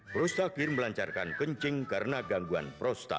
prostakir melancarkan kencing karena gangguan prostat